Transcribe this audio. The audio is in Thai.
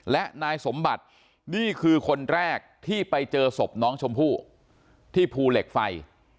และนายสมบัตินี่คือคนแรกที่ไปเจอศพน้องชมพู่ที่ภูเหล็กไฟ